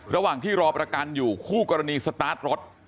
ระหว่างที่รอประกันอยู่คู่กรณีสตาร์ทรถ